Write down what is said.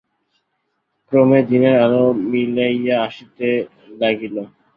ক্রমে, দিনের আলো মিলাইয়া আসিতে লাগিল।